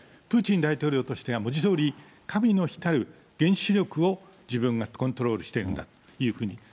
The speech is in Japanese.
プーチン大統領としては文字どおり神の火たる、原子力を自分がコントロールしているんだというふうに。